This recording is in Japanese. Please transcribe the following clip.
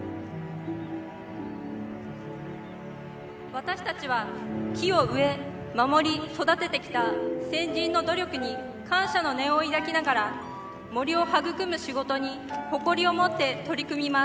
私たちは木を植え守り育ててきた先人の努力に感謝の念を抱きながら森を育む仕事に誇りを持って取り組みます。